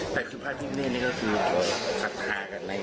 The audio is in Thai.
แต่คือพระพิคเนศนี่ก็คือจัดทากันไหม